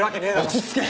落ち着け！